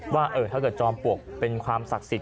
ว่าถ้าเกิดจอมปลวกเป็นความศักดิ์สิทธิ